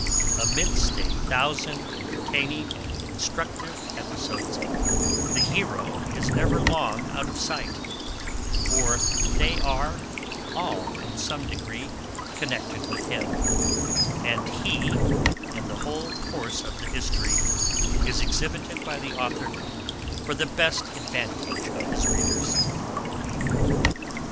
Amidst a thousand entertaining and instructive episodes the HERO is never long out of sight; for they are all in some degree connected with him; and HE, in the whole course of the History, is exhibited by the Authour for the best advantage of his readers.